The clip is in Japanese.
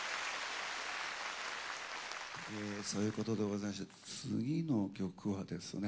そういうことでございまして次の曲はですね